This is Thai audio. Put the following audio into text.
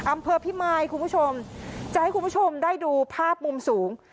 อำเภอพิมายคุณผู้ชมจะให้คุณผู้ชมได้ดูภาพมุมสูง